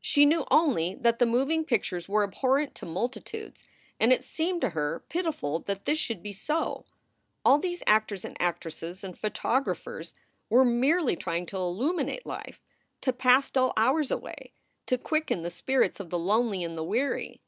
She knew only that the moving pictures were abhorrent to multitudes and it seemed to her pitiful that this should be so. All these actors and actresses and photographers were merely trying to illuminate life, to pass dull hours away, to quicken the spirits of the lonely and the weary.